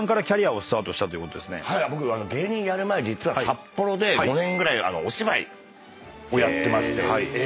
僕芸人やる前実は札幌で５年ぐらいお芝居をやってまして。